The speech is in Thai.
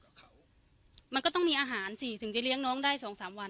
กับเขามันก็ต้องมีอาหารสิถึงจะเลี้ยงน้องได้สองสามวัน